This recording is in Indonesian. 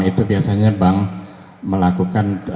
itu biasanya bank melakukan